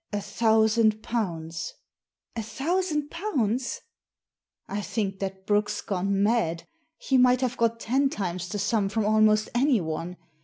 A thousand pounds," "A thousand pounds !"" I think that Brooke's gone mad. He might have got ten times the sum from almost anyone.